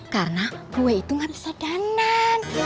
karena gue itu gak bisa dandan